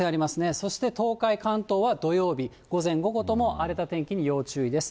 そして東海、関東は土曜日、午前、午後とも荒れた天気に要注意です。